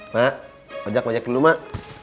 mak ngajak ngajak dulu mak